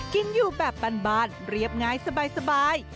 กินอยู่แบบบานเรียบง่ายสบาย